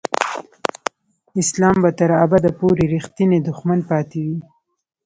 اسلام به تر ابده پورې رښتینی دښمن پاتې وي.